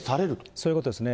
そういうことですね。